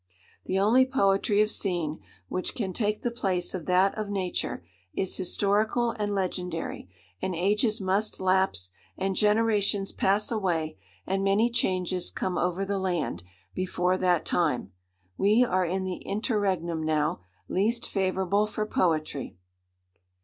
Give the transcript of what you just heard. The only poetry of scene which can take the place of that of nature, is historical and legendary; and ages must lapse, and generations pass away, and many changes come over the land, before that time. We are in the interregnum, now, least favourable for poetry.